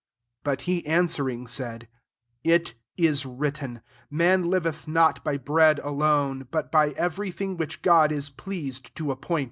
4 But he answering, said, <' It is written, * Man liveth not by bread alone, but by every thing which God is pleased to ap point.